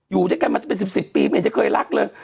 อยู่ด้วยกันมาตั้งแต่สิบสิบปีเหมือนจะเคยรักเลย